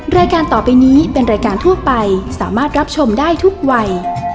รายการต่อไปนี้เป็นรายการทั่วไปสามารถรับชมได้ทุกวัย